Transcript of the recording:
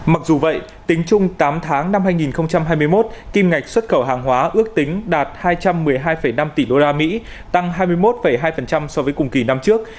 mặc dù vậy tính chung tám tháng năm hai nghìn hai mươi một kim ngạch xuất khẩu hàng hóa ước tính đạt hai trăm một mươi hai năm tỷ usd tăng hai mươi một hai so với cùng kỳ năm trước